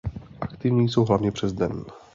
Aktivní jsou hlavně přes den.